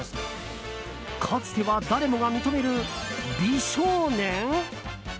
かつては誰もが認める美少年？